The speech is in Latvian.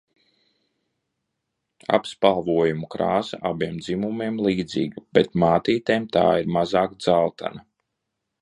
Apspalvojuma krāsa abiem dzimumiem līdzīga, bet mātītēm tā ir mazāk dzeltena.